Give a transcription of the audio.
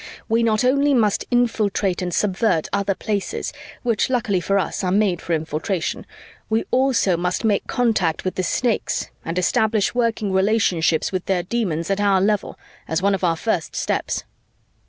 We not only must infiltrate and subvert other Places, which luckily for us are made for infiltration, we also must make contact with the Snakes and establish working relationships with their Demons at our level as one of our first steps."